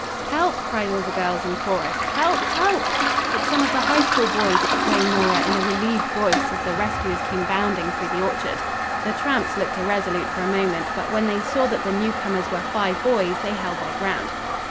"Help!" cried all the girls in chorus. "Help! Help!" "It's some of the High School boys!" exclaimed Nora, in a relieved voice as the rescuers came bounding through the orchard. The tramps looked irresolute for a moment, but when they saw that the newcomers were five boys they held their ground.